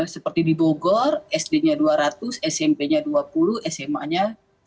seperti di bogor sd nya dua ratus smp nya dua puluh sma nya satu